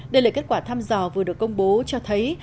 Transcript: đề lệ kết quả thăm dò vừa được công bố cho thấy